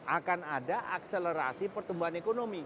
akan ada akselerasi pertumbuhan ekonomi